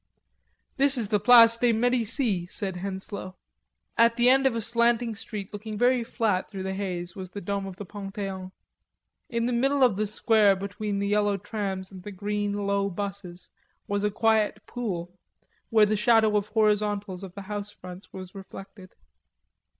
"This is the Place des Medicis," said Henslowe. At the end of a slanting street looking very flat, through the haze, was the dome of the Pantheon. In the middle of the square between the yellow trams and the green low busses, was a quiet pool, where the shadow of horizontals of the house fronts was reflected.